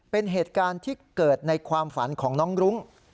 เป็นเหตุการณ์ที่เกิดในความฝันของน้องรุ้ง